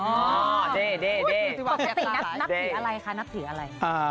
ปกตินับถืออะไรคะนับถืออะไร